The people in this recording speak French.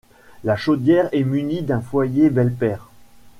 La chaudière est munie d'un foyer belpaire.